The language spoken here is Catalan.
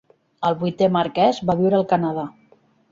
El vuitè marquès va viure al Canadà.